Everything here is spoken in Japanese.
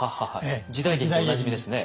時代劇でおなじみですね。